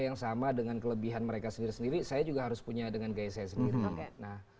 yang sama dengan kelebihan mereka sendiri sendiri saya juga harus punya dengan gaya saya sendiri nah